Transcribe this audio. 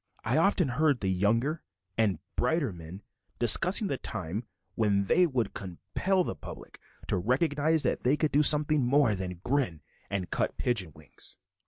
I often heard the younger and brighter men discussing the time when they would compel the public to recognize that they could do something more than grin and cut pigeon wings.